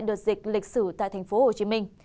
đợt dịch lịch sử tại thành phố hồ chí minh